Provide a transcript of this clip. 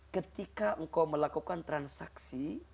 ketika engkau melakukan transaksi